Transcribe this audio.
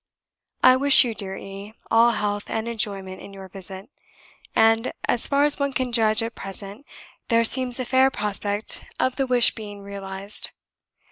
"I wish you, dear E., all health and enjoyment in your visit; and, as far as one can judge at present, there seems a fair prospect of the wish being realised.